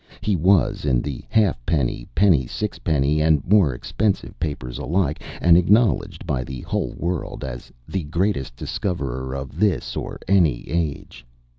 He was in the halfpenny, penny, six penny, and more expensive papers alike, and acknowledged by the whole world as "the Greatest Discoverer of This or Any Age."